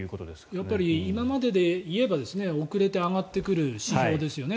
やっぱり今までで言えば遅れて上がってくる指標ですよね